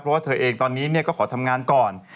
เพราะว่าเธอเองตอนนี้ก็ขอทำงานก่อน